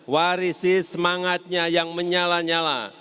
warisi semangatnya yang menyala nyala